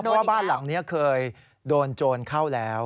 เพราะว่าบ้านหลังนี้เคยโดนโจรเข้าแล้ว